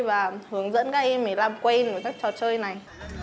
và hướng dẫn các em ấy làm quen với các trò chơi này